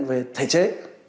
về thể chế